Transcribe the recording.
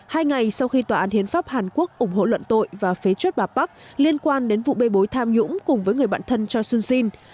hai ngày sau khi tòa án hiến pháp hàn quốc ủng hộ luận tội và phế chuất bà park liên quan đến vụ bê bối tham nhũng cùng với người bạn thân cho sunshin